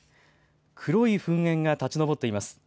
黒い噴煙が立ち上っています。